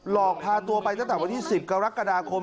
อกพาตัวไปตั้งแต่วันที่๑๐กรกฎาคม